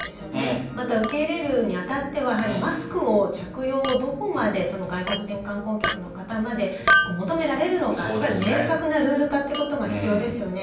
また、受け入れるにあたってはマスク着用をどこまで外国人観光客の方に求められるのか明確なルール化が必要ですよね。